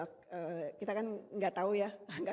kita kan nggak tahu ya